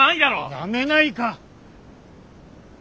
やめないか！